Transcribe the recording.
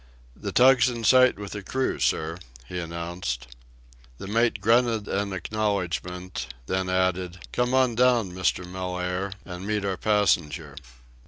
"The tug's in sight with the crew, sir," he announced. The mate grunted an acknowledgment, then added, "Come on down, Mr. Mellaire, and meet our passenger."